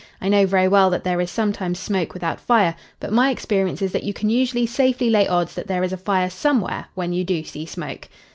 I know very well that there is sometimes smoke without fire, but my experience is that you can usually safely lay odds that there is a fire somewhere when you do see smoke."